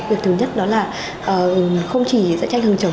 việc thứ nhất đó là không chỉ tranh hàng chống